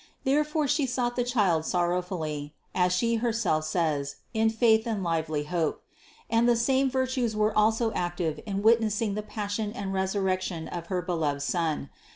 Therefore She sought the Child sorrowfully, as She herself says, in faith and lively hope; and the same virtues were also active in witnessing the Passion and Resurrection of her beloved Son.